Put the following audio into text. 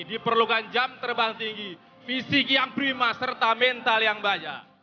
diperlukan jam terbang tinggi fisik yang prima serta mental yang banyak